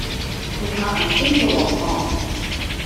Ik ha in ûngelok hân.